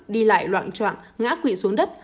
đi lại loạn troạn ngã quỵ xuống đất